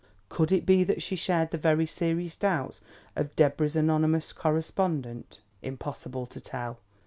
Could it be that she shared the very serious doubts of Deborah's anonymous correspondent? Impossible to tell.